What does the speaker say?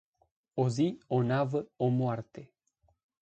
O zi, o navă, o moarte.